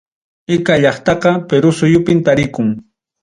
Ica llaqtaqa Perú suyupim tarikun.